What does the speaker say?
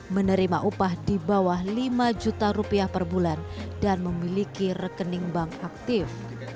menerima upah di bawah lima juta rupiah per bulan dan memiliki rekening bank aktif